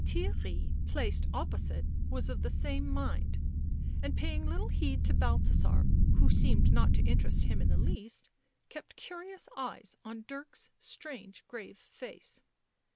Theirry, placed opposite, was of the same mind and, paying little heed to Balthasar, who seemed not to interest him in the least, kept curious eyes on Dirk's strange, grave face.